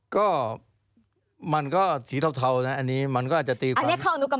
ก็มันก็สีเทานะอันนี้มันก็อาจจะตีความ